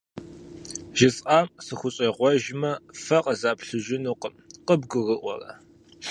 ЖысӀам сыхущӀегъуэжмэ фэ къызаплъыжынукъым, къыбгурыӀуэрэ?